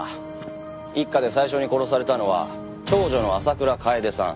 一家で最初に殺されたのは長女の浅倉楓さん。